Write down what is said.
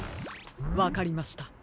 わかりました。